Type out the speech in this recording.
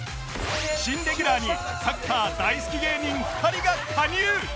新レギュラーにサッカー大好き芸人２人が加入